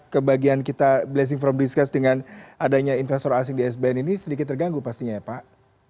kebagian kita blessing from discuss dengan adanya investor asing di sbn ini sedikit terganggu pastinya ya pak